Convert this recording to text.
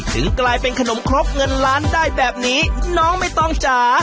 ถึงกลายเป็นขนมครกเงินล้านได้แบบนี้น้องไม่ต้องจ๋า